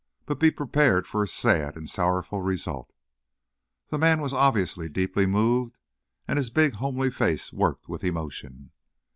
But be prepared for a sad and sorrowful result." The man was obviously deeply moved, and his big, homely face worked with emotion.